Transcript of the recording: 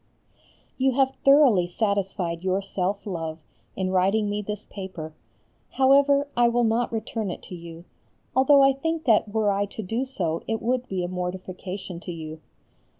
You have thoroughly satisfied your self love, in writing me this paper. However, I will not return it to you, although I think that were I to do so it would be a mortification to you.